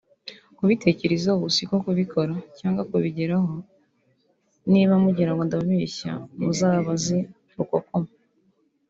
kubitekereza siko kubikora cyangwa kubigeraho niba mugirango ndabeshya muzabaze Rukokoma